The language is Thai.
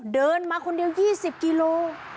เดินมาคนเดียว๒๐กิโล